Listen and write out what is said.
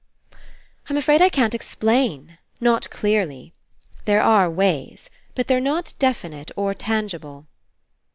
"I'm afraid I can't explain. Not clearly. There are ways. But they're not definite or tangible."